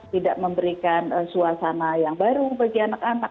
tidak memberikan suasana yang baru bagi anak anak